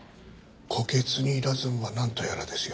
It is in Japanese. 虎穴に入らずんばなんとやらですよ。